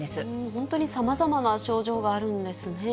本当にさまざまな症状があるんですね。